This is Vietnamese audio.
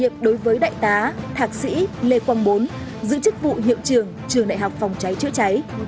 tài tá thạc sĩ lê quang bốn giữ chức vụ hiệu trường trường đại học phòng cháy chữa cháy